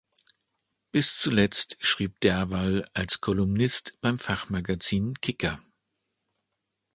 Bis zuletzt schrieb Derwall als Kolumnist beim Fachmagazin "kicker.